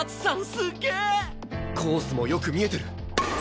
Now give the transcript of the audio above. すっげえ！コースもよく見えてる。